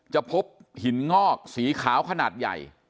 จะพบหินงอกสีขาวขนาดใหญ่